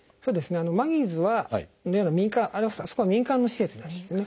マギーズのようなあそこは民間の施設なんですね。